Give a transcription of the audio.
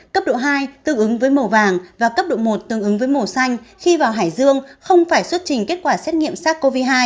cấp độ hai tương ứng với màu vàng và cấp độ một tương ứng với màu xanh khi vào hải dương không phải xuất trình kết quả xét nghiệm sars cov hai